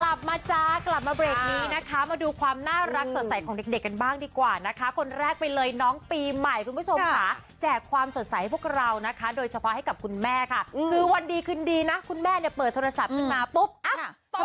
กลับมาจ้ากลับมาเบรกนี้นะคะมาดูความน่ารักสดใสของเด็กเด็กกันบ้างดีกว่านะคะคนแรกไปเลยน้องปีใหม่คุณผู้ชมค่ะแจกความสดใสให้พวกเรานะคะโดยเฉพาะให้กับคุณแม่ค่ะคือวันดีคืนดีนะคุณแม่เนี่ยเปิดโทรศัพท์ขึ้นมาปุ๊บอ่ะ